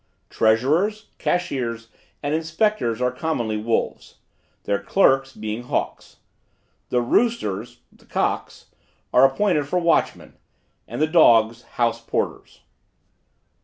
Treasurers, cashiers and inspectors are commonly wolves; their clerks, being hawks. The (roosters) cocks are appointed for watchmen, and the dogs house porters.